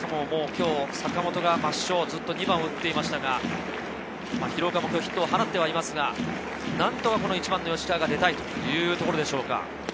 坂本が抹消、２番を打っていましたが、廣岡も今日はヒットを放っていますが、何とか１番の吉川が出たいというところでしょうか。